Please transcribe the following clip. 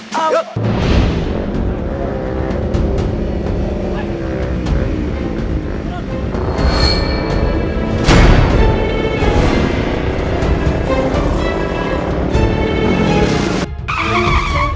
keju pene ya udah